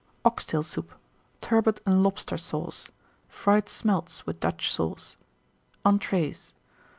Oxtail Soup. Turbot and Lobster Sauce. Fried Smelts, with Dutch Sauce. ENTREES.